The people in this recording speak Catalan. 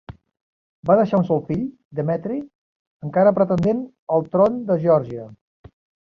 Va deixar un sol fill, Demetri, encara pretendent al tron de Geòrgia.